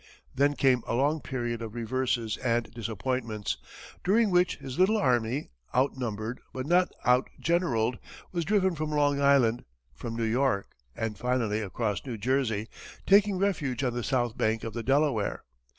Then came a long period of reverses and disappointments, during which his little army, outnumbered, but not outgeneraled, was driven from Long Island, from New York, and finally across New Jersey, taking refuge on the south bank of the Delaware.